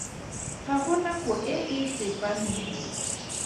Ga go nako e e tsepameng.